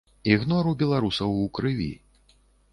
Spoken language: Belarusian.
Ігнор у беларусаў у крыві.